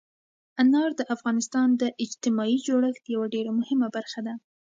انار د افغانستان د اجتماعي جوړښت یوه ډېره مهمه برخه ده.